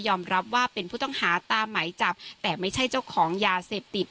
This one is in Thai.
รับว่าเป็นผู้ต้องหาตามไหมจับแต่ไม่ใช่เจ้าของยาเสพติด